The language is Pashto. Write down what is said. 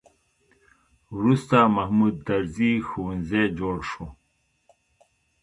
وروسته محمود طرزي ښوونځی جوړ شو.